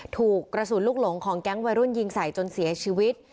ถูกกระสุนลูกหลงของแก๊งวัยรุ่นยิงใส่จนเสียชีวิต